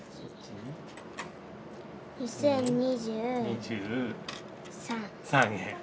２，０２３。